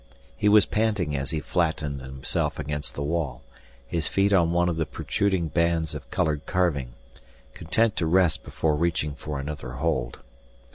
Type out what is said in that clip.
He was panting as he flattened himself against the wall, his feet on one of the protruding bands of colored carving, content to rest before reaching for another hold.